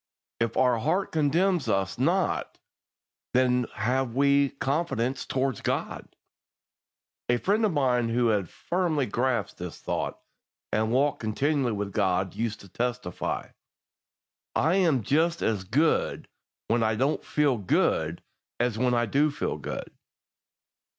"If our heart condemns us not, then have we confidence toward God." A friend of mine who had firmly grasped this thought, and walked continually with God, used to testify: "I am just as good when I don't feel good as when I do feel good."